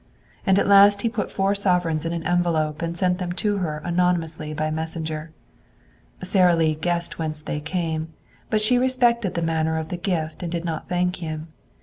And at last he put four sovereigns in an envelope and sent them to her anonymously by messenger. Sara Lee guessed whence they came, but she respected the manner of the gift and did not thank him.